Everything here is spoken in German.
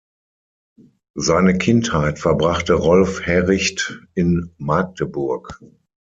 Seine Kindheit verbrachte Rolf Herricht in Magdeburg.